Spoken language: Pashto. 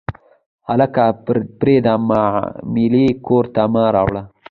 هلکه، پردۍ معاملې کور ته مه راوړه.